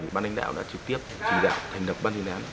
bán đánh đạo đã trực tiếp trình đạo thành lập bán đánh đạo